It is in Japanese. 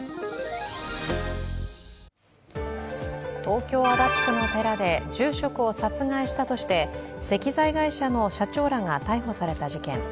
東京・足立区の寺で住職を殺害したとして石材会社の社長らが逮捕された事件。